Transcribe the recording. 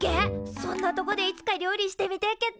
そんなとこでいつか料理してみてえけっ